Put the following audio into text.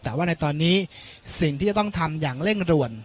แต่ว่าในตอนนี้สิ่งที่จะต้องทำอย่างเร่งด่วน